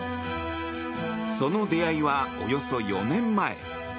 その出会いは、およそ４年前。